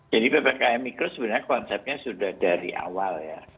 jadi ppkm mikro sebenarnya konsepnya sudah dari awal ya